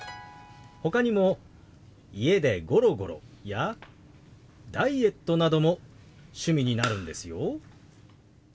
ほかにも「家でゴロゴロ」や「ダイエット」なども趣味になるんですよ。